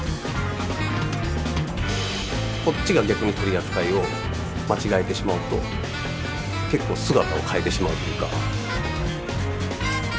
こっちが逆に取り扱いを間違えてしまうと結構姿を変えてしまうというか。